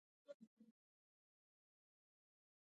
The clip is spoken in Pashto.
غوښې د افغان کلتور په داستانونو کې راځي.